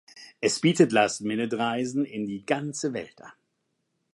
Es bietet last minute-Reisen in die ganze Welt an.